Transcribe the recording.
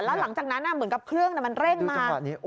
แล้วหลังจากนั้นเหมือนกับเครื่องมันเร่งมา